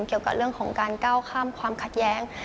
เกี่ยวกับเรื่องของการก้าวข้ามความขัดแย้ง